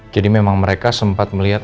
jadi memang mereka sempat melihat